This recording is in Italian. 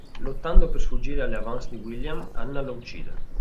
Lottando per sfuggire alle avances di William, Anna lo uccide.